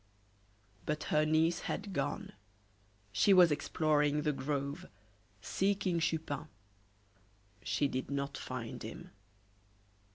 But her niece had gone. She was exploring the grove, seeking Chupin. She did not find him.